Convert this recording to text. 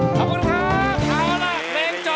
ขอบคุณค่ะเค้าล่ะเครงจบ